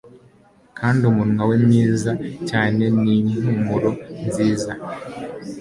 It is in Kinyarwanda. Kandi umunwa we mwiza cyane ni impumuro nziza